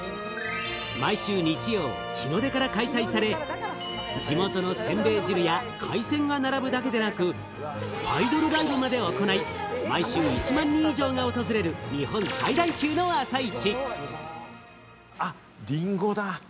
毎週日曜、日の出から開催され、地元のせんべい汁や海鮮が並ぶだけでなく、アイドルライブまで行い、毎週１万人以上が訪れる日本最大級の朝市。